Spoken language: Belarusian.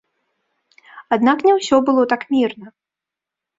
Аднак не ўсё было так мірна.